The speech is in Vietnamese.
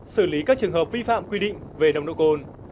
xử lý các trường hợp vi phạm quy định về nồng độ cồn